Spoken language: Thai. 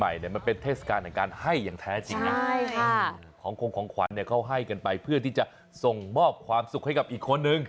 มันเป็นเทศกาลแห่งการให้อย่างแท้จริงนะของคงของขวัญเนี่ยเขาให้กันไปเพื่อที่จะส่งมอบความสุขให้กับอีกคนนึง